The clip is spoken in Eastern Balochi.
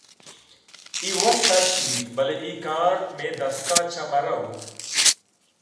اے وت تچک بیت بلئے اے کار مئے دست ءَ چہ مہ روت